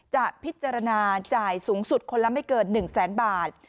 จะพิจารณาจ่ายสูงสุดคนละไม่เกิน๑แสนบาท